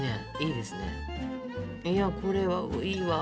いやこれはいいわ。